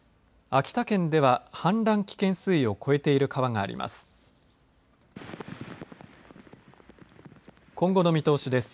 秋田県では氾濫危険水位を超えている川があります。